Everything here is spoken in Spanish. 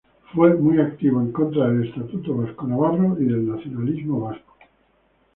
Fue muy activo en contra del Estatuto Vasco-Navarro y del nacionalismo vasco.